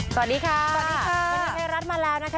สวัสดีค่ะสวัสดีค่ะบันเทิงไทยรัฐมาแล้วนะคะ